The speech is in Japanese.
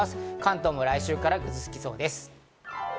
関東も来週からぐずつきそうです。